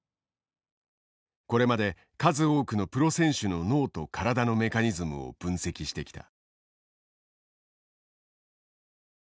これまで数多くのプロ選手の脳と体のメカニズムを分析してきた。